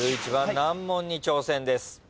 １１番難問に挑戦です。